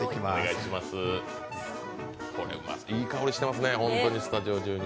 いい香りしてますね、スタジオ中に。